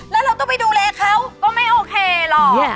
แล้วเราต้องไปดูแลเขาก็ไม่โอเคหรอก